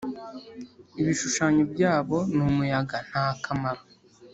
Ibishushanyo byabo? Ni umuyaga, nta kamaro!